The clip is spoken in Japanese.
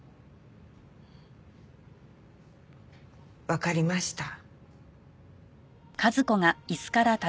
わかりました。